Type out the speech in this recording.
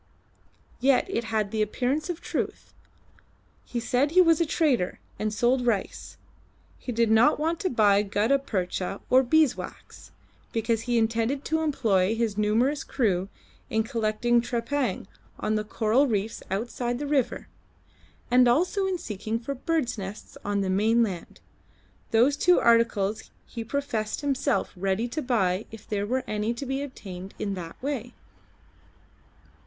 Yet it had all the appearance of truth. He said he was a trader, and sold rice. He did not want to buy gutta percha or beeswax, because he intended to employ his numerous crew in collecting trepang on the coral reefs outside the river, and also in seeking for bird's nests on the mainland. Those two articles he professed himself ready to buy if there were any to be obtained in that way.